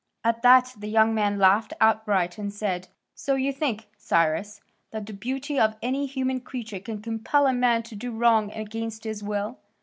At that the young man laughed outright and said: "So you think, Cyrus, that the beauty of any human creature can compel a man to do wrong against his will?